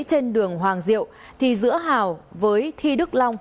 trên đường hoàng diệu thì giữa hào với thi đức long